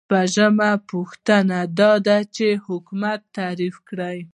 شپږمه پوښتنه دا ده چې حاکمیت تعریف کړئ.